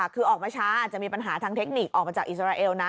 คือออกมาช้าอาจจะมีปัญหาทางเทคนิคออกมาจากอิสราเอลนะ